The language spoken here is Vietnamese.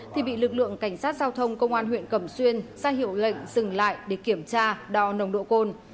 thì bị lực lượng cảnh sát giao thông công an huyện cẩm xuyên ra hiệu lệnh dừng lại để kiểm tra đo nồng độ cồn